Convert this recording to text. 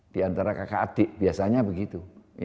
di antara kakak adik biasanya begitu